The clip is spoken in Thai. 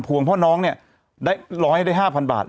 ๕๐๐๐ภวงเพราะให้น้องได้๕๐๐๐บาท